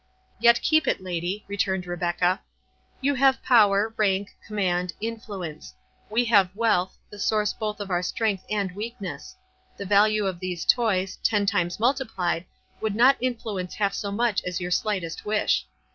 "Yet keep it, lady," returned Rebecca.—"You have power, rank, command, influence; we have wealth, the source both of our strength and weakness; the value of these toys, ten times multiplied, would not influence half so much as your slightest wish.